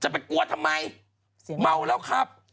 จากกระแสของละครกรุเปสันนิวาสนะฮะ